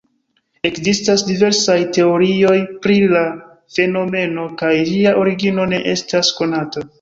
Ekzistas diversaj teorioj pri la fenomeno kaj ĝia origino ne estas konata.